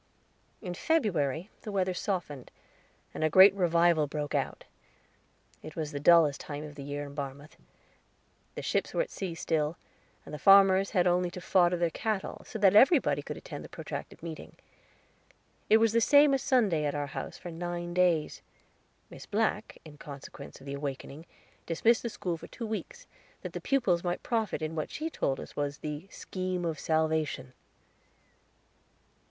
In February the weather softened, and a great revival broke out. It was the dullest time of the year in Barmouth. The ships were at sea still, and the farmers had only to fodder their cattle, so that everybody could attend the protracted meeting. It was the same as Sunday at our house for nine days. Miss Black, in consequence of the awakening, dismissed the school for two weeks, that the pupils might profit in what she told us was The Scheme of Salvation.